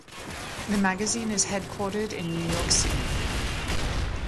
The magazine is headquartered in New York City.